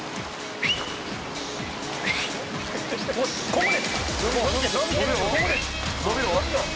「ここです！」